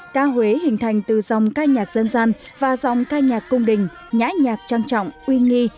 ca huế hình thành từ dòng ca nhạc dân gian và dòng ca nhạc cung đình nhãi nhạc trang trọng uy nghi